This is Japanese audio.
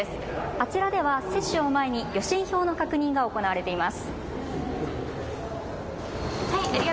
あちらでは接種を前に予診票の確認が行われています。